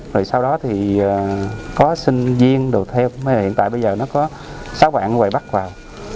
rồi sau đó thì có sinh viên đồ thêm hiện tại bây giờ nó có sáu bạn ngoài bắt vào